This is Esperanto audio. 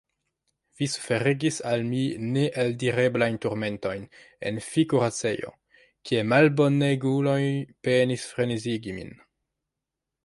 Vi suferigis al mi neeldireblajn turmentojn en fi-kuracejo, kie malboneguloj penis frenezigi min.